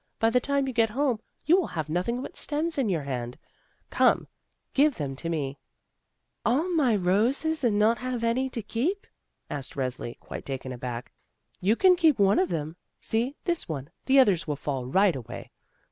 By the time you get home you will have nothing but stems in your hand. Come, give them to me." THE TIME OF ROSES 15 "All my roses, and not have any to keep?" asked Resli, quite taken aback. "You can keep one of them; see, this one, the others will fall right away.